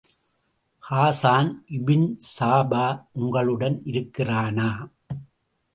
Hasan Ibn Saba உங்களுடன் இருக்கிறானா?